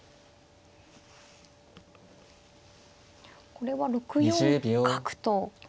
これは６四角と。